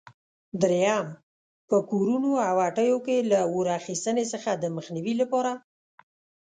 درېیم: په کورونو او هټیو کې له اور اخیستنې څخه د مخنیوي لپاره؟